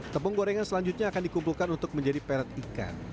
tepung gorengan selanjutnya akan dikumpulkan untuk menjadi peret ikan